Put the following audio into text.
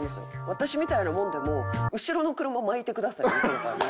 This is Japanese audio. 私みたいなもんでも「後ろの車まいてください」は言った事ある。